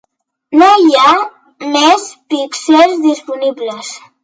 No hi ha més píxels disponibles.